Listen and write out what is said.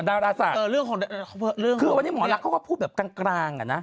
ดาราศาสตร์คือวันนี้หมอลักษณ์เขาก็พูดแบบกลางอะนะ